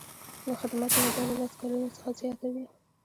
د خدمت موده له لس کلونو څخه زیاته وي.